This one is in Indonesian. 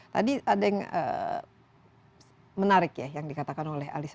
tadi ada yang menarik ya yang dikatakan oleh alisa